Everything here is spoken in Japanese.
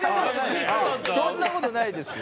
そんな事ないですよ。